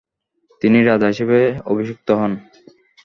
তিনি রাজা হিসেবে অভিষিক্ত হন।